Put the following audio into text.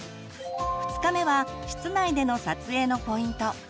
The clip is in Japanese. ２日目は室内での撮影のポイント。